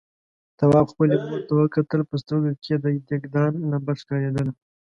تواب خپلې مور ته وکتل، په سترګوکې يې د دېګدان لمبه ښکارېدله.